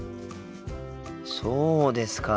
そうですか。